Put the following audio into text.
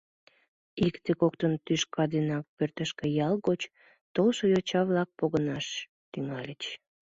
Иктын-коктын, тӱшка денат пӧртышкӧ ял гыч толшо йоча-влак погынаш тӱҥальыч.